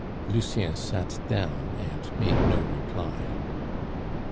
Lucien sat down and made no reply.